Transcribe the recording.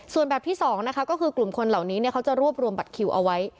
ส่วนแบบที่๒นะคะก็คือกลุ่มคนเหล่านี้เขาจะรวบรวมบัตรคิวเอาไว้